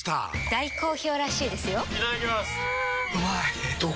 大好評らしいですよんうまい！